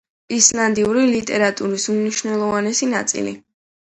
ისლანდიური ლიტერატურის უმნიშვნელოვანესი ნაწილი.